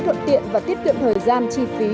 thuận tiện và tiết kiệm thời gian chi phí